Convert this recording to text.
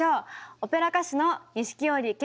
オペラ歌手の錦織健さん